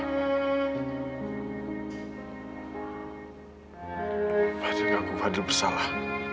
kak fadil aku kak fadil bersalah